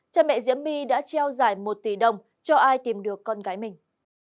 cha mẹ diễm my đã treo giải một tỷ đồng cho ai tìm được con gái mình